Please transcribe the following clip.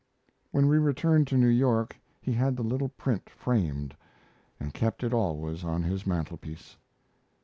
When we returned to New York he had the little print framed, and kept it always on his mantelpiece.